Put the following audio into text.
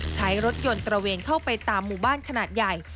ใช้รถยนต์ตระเวนเข้าไปตามหมู่บ้านขนาดใหญ่